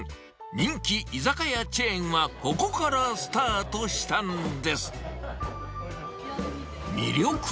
人気居酒屋チェーンはここからスタートしたんです。